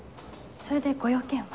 それでご用件は？